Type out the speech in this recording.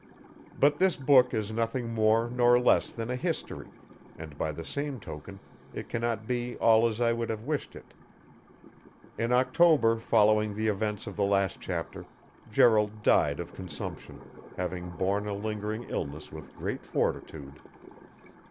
But this book is nothing more nor less than a history, and by the same token it cannot be all as I would have wished it. In October following the events of the last chapter, Gerald died of consumption, having borne a lingering illness with great fortitude.